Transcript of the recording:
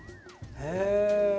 へえ。